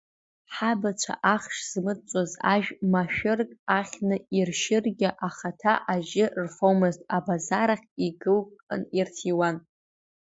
Ҳабацәа ахш змыҵуаз ажә машәырк ахьны иршьыргьы, ахаҭа ажьы рфомызт, абазарахь икылган ирҭиуан…